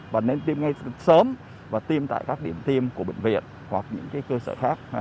và nên tiêm ngay sớm và tiêm tại các điểm tiêm của bệnh viện hoặc những cơ sở khác